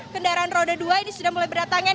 kendaraan roda dua ini sudah mulai berdatangan